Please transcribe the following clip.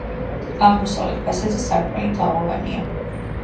აღმოსავლეთ ფასადზე სარკმელი თაღოვანია.